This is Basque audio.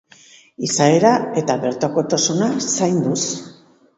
Izaera eta bertokotasuna zainduz.